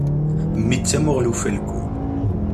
Mmi d tamuɣli n ufalku.